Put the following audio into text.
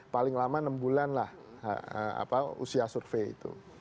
paling lama enam bulan lah usia survei itu